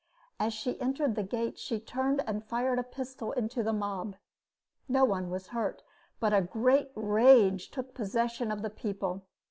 As she entered the gates she turned and fired a pistol into the mob. No one was hurt, but a great rage took possession of the people.